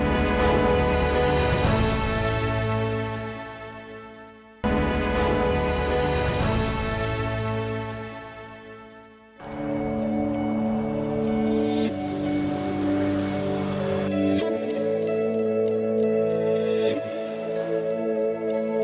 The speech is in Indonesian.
kita bisa berhasil